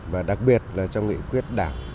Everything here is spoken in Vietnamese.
và đặc biệt là trong nghị quyết đảng